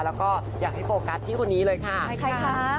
แล้วก็อยากให้โฟกัสที่คนนี้เลยค่ะใช่ใครคะ